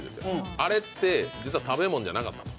あれって実は食べ物じゃなかったんです。